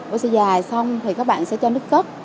oxy dài xong thì các bạn sẽ cho nước cất